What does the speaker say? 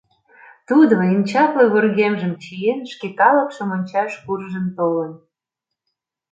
Тудо, эн чапле вургемжым чиен, шке калыкшым ончаш куржын толын.